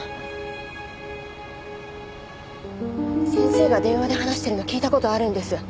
先生が電話で話してるのを聞いた事あるんです。